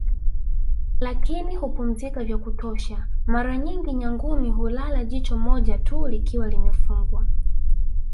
Lakini hupumzika vya kutosha mara nyingi Nyangumi hulala jicho moja tu likiwa limefugwa